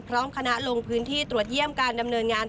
พร้อมคณะลงพื้นที่ตรวจเยี่ยมการดำเนินงาน